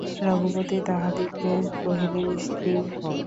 রঘুপতি তাহাদিগকে কহিলেন, স্থির হও।